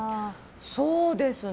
そうですね。